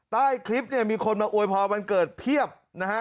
ใต้คลิปเนี่ยมีคนมาอวยพรวันเกิดเพียบนะฮะ